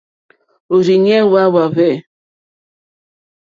Òrzìɲɛ́ hwá áhwè.